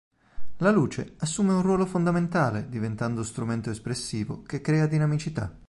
La luce assume un ruolo fondamentale diventando strumento espressivo che crea dinamicità.